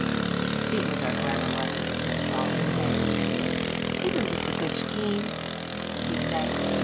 It was our grammar lesson for the following day. "Isn't this a good scheme?" he said.